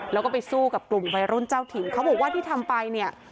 แล้วก็ไปสู้กับกลุ่มวัยรุ่นเจ้าถิ่นเขาบอกว่าที่ทำไปเนี่ย